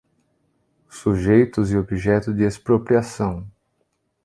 Sujeitos e objeto de expropriação.